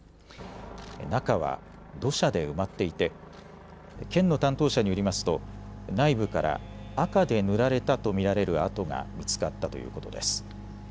中は土砂で埋まっていて県の担当者によりますと内部から赤で塗られたと見られる跡が見つかったということです。